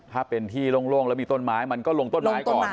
ถ้าเป็นที่โล่งแล้วมีต้นไม้มันก็ลงต้นไม้ก่อน